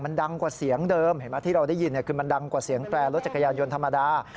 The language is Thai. มันดังกว่าเสียงเดิมเห็นไหมที่เราได้ยินคือมันดังกว่าเสียงแปรรถจักรยานยนต์ธรรมดา